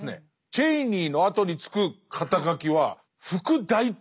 チェイニーのあとに付く肩書は「副大統領」とか。